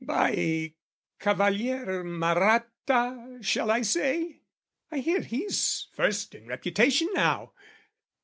(By Cavalier Maratta, shall I say? I hear he's first in reputation now.)